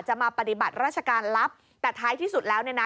มาปฏิบัติราชการลับแต่ท้ายที่สุดแล้วเนี่ยนะ